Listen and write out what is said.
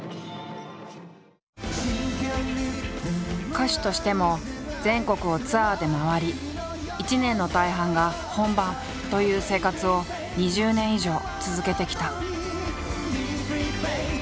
歌手としても全国をツアーで回りという生活を２０年以上続けてきた。